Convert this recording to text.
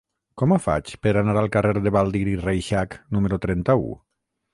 Com ho faig per anar al carrer de Baldiri Reixac número trenta-u?